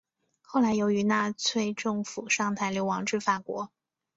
后来由于纳粹政府上台流亡至法国。